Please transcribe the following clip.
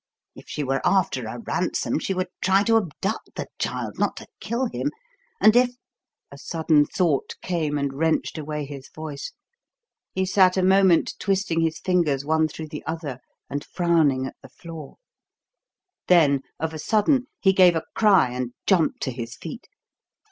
If she were after a ransom she would try to abduct the child, not to kill him, and if" A sudden thought came and wrenched away his voice. He sat a moment twisting his fingers one through the other and frowning at the floor; then, of a sudden, he gave a cry and jumped to his feet.